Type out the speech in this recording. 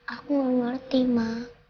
aku gak ngerti ma